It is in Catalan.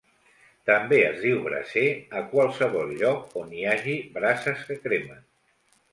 També es diu braser a qualsevol lloc on hi hagi brases que cremen.